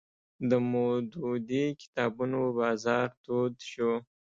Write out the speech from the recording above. د مودودي کتابونو بازار تود شو